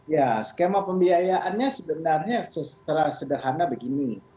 ya skema pembiayaannya sebenarnya secara sederhana begini